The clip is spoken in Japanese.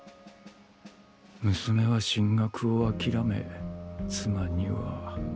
娘は進学を諦め妻には。